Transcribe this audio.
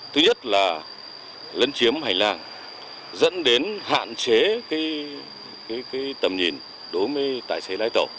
thứ nhất là lấn chiếm hành làng dẫn đến hạn chế cái tầm nhìn đối với tài xế lái tổ